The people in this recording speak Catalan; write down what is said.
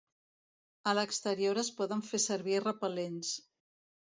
A l’exterior es poden fer servir repel·lents.